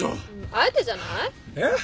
あえてじゃない？えっ？